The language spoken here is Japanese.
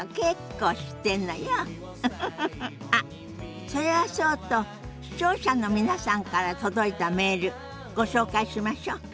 あっそれはそうと視聴者の皆さんから届いたメールご紹介しましょ。